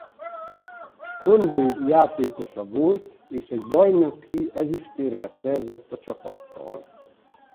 Honvéd játékosa volt és egy bajnoki ezüstérmet szerzett a csapattal.